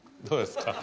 どうですか？